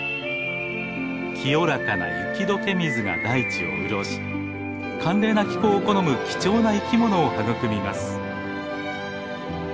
清らかな雪どけ水が大地を潤し寒冷な気候を好む貴重な生き物を育みます。